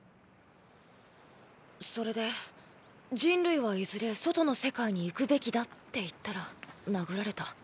それで人類はいずれ外の世界に行くべきだって言ったら殴られた。